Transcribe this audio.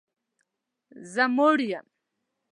زه موړ یم